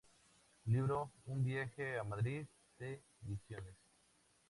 Libro Un Viaje a Madrid, T Ediciones.